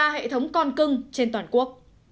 ba hệ thống con cưng trên toàn quốc